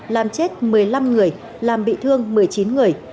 làm chết một mươi năm người làm bị thương một mươi chín người